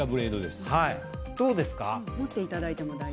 どうですか？